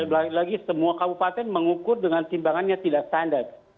lagi lagi semua kabupaten mengukur dengan timbangannya tidak standar